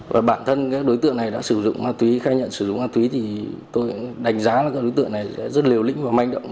và bản thân các đối tượng này đã sử dụng ma túy khai nhận sử dụng ma túy thì tôi đánh giá là các đối tượng này sẽ rất liều lĩnh và manh động